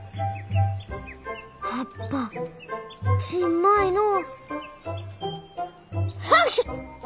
葉っぱちんまいのう。